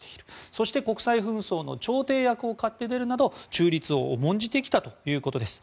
そして国際紛争の調停役を買って出るなど中立を重んじてきたということです。